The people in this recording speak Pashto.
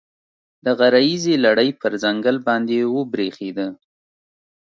د غره ییزې لړۍ پر ځنګل باندې وبرېښېده.